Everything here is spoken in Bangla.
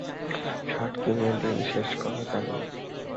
শার্ট কিনে দিন শেষ করা যাবে না।